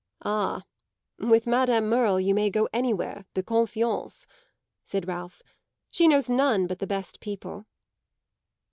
"Ah, with Madame Merle you may go anywhere, de confiance," said Ralph. "She knows none but the best people."